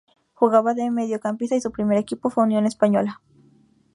Jugaba de mediocampista y su primer equipo fue Unión Española.